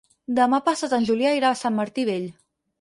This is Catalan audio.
Demà passat en Julià irà a Sant Martí Vell.